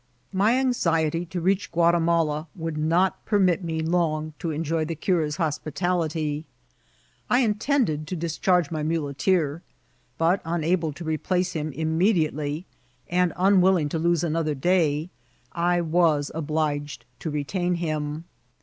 My anxiety to reach Gnatimala would not permit me long to enjoy the cura's hospitaUty. I intended to dis charge my muleteer ; but, unable to replace him imme diately, and unwilling to lose another day, I was obliged to retain him.